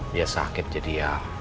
dia sakit jadi ya